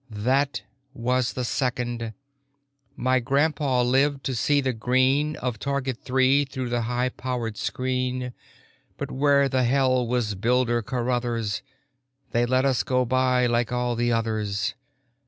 That was the second. My grandpa lived to see the green Of Target Three through the high powered screen. But where in hell was Builder Carruthers? They let us go by like all the others.